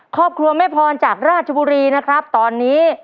ครอบครัวแม่พรจากราชบุรีนะครับตอนนี้